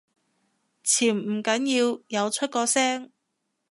潛唔緊要，有出過聲